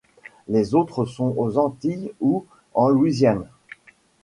Les autres sont aux Antilles ou en Louisiane.